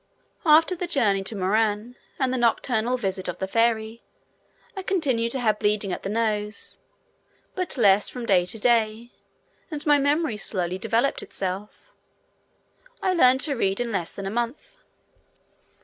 After the journey to Muran, and the nocturnal visit of the fairy, I continued to have bleeding at the nose, but less from day to day, and my memory slowly developed itself. I learned to read in less than a month.